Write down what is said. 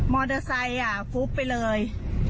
มอเตอร์ไซค์อ่ะฟุบไปเลย